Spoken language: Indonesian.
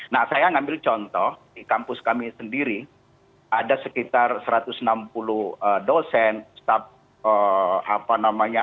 nah saya ngambil contoh di kampus kami sendiri ada sekitar satu ratus enam puluh dosen staff apa namanya